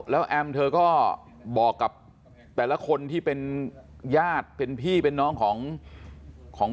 แล้วแอมเธอก็บอกกับแต่ละคนที่เป็นญาติเป็นพี่เป็นน้องของ